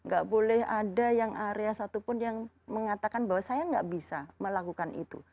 gak boleh ada yang area satupun yang mengatakan bahwa saya nggak bisa melakukan itu